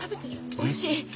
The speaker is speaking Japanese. おいしい。